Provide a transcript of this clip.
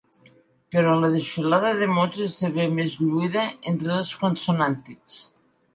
Però la desfilada de mots esdevé més lluïda entre els consonàntics.